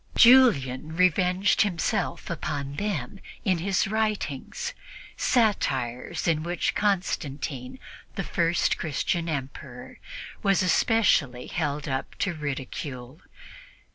Julian revenged himself upon them in his writings satires in which Constantine, the first Christian Emperor, was especially held up to ridicule.